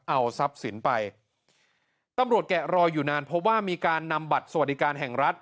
เอาทรัพย์สินไปตำรวจแกะรอยอยู่นานพบว่ามีการนำบัตรสวัสดิการแห่งรัฐ